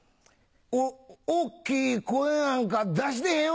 「お大っきい声なんか出してへんわ！」。